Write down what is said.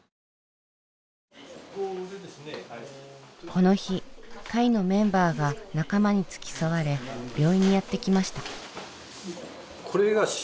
この日会のメンバーが仲間に付き添われ病院にやって来ました。